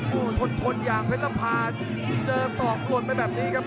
โอ้โหทนอย่างเพชรลำพาเจอศอกกวนไปแบบนี้ครับ